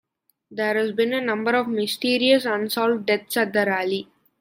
There has been a number of mysterious, unsolved deaths at the Rally.